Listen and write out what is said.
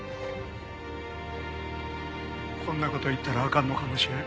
こんな事言ったらあかんのかもしれん。